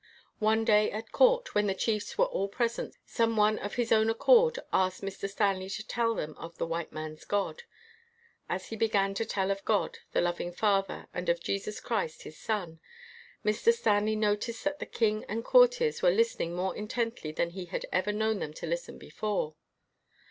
One day at court, when the chiefs were all present, some one of 13 WHITE MAN OF WORK his own accord asked Mr. Stanley to tell them of the white man's God. As he began to tell of God, the loving Father, and of Jesus Christ, his Son, Mr. Stanley noticed that the king and courtiers were listening more intently than he had ever known them to listen before.